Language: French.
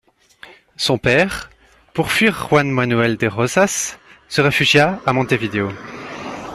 Son père, pour fuir Juan Manuel de Rosas, se réfugia à Montevideo.